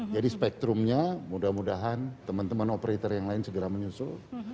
jadi spektrumnya mudah mudahan teman teman operator yang lain segera menyusul